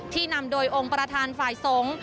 นำโดยองค์ประธานฝ่ายสงฆ์